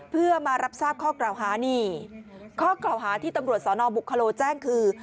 เพื่อมารับทราบข้อกล่าวหานี่ข้อกล่าวหาที่ตำรวจสนบุคโลแจ้งคือ